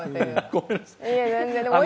ごめんなさい。